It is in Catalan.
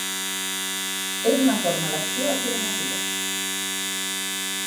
És una forma d'acció afirmativa.